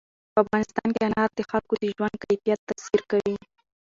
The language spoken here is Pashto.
په افغانستان کې انار د خلکو د ژوند کیفیت تاثیر کوي.